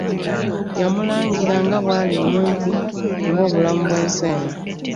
Yamulangira nga bwali omumpi nga obulamu bw'ensi eno .